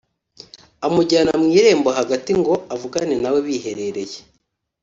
amujyana mu irembo hagati ngo avugane na we biherereye.